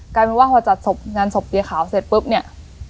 กลายเป็นว่าพอจัดศพงานศพเฮียขาวเสร็จปุ๊บเนี่ย